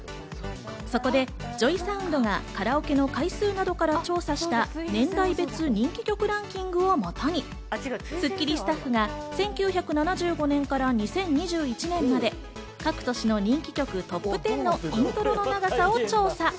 そこでＪＯＹＳＯＵＮＤがカラオケの回数などから調査した年代別人気曲ランキングをもとに『スッキリ』スタッフが１９７５年から２０２１年まで各年の人気曲トップテンのイントロの長さを調査。